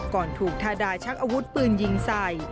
ก่อนถูกทาดาชักอาวุธปืนยิงใส่